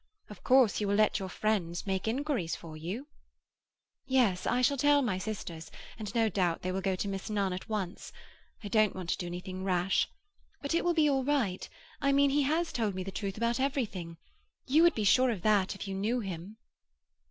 Of course you will let your friends make inquiries for you?" "Yes. I shall tell my sisters, and no doubt they will go to Miss Nunn at once. I don't want to do anything rash. But it will be all right—I mean, he has told me the truth about everything. You would be sure of that if you knew him."